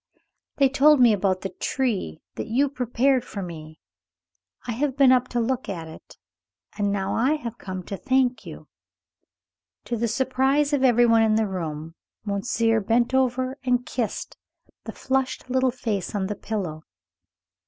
"They told me about the tree that you prepared for me. I have been up to look at it, and now I have come to thank you." To the surprise of every one in the room, monsieur bent over and kissed the flushed little face on the pillow.